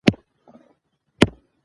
د نجونو تعليم د ټولنې شفافيت پراخوي.